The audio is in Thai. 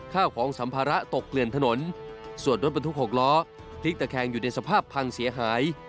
ข้าวของสัมภาระตกเกลื่อนถนนส่วนรถบรรทุก๖ล้อพลิกตะแคงอยู่ในสภาพพังเสียหาย